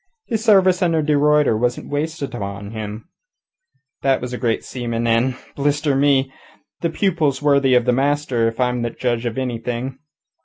His service under de Ruyter wasn't wasted on him. That was a great seaman, and blister me! the pupil's worthy the master if I am a judge of anything.